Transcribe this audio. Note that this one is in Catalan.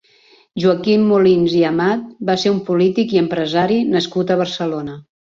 Joaquim Molins i Amat va ser un polític i empresari nascut a Barcelona.